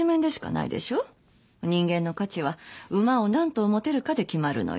人間の価値は馬を何頭持てるかで決まるのよ。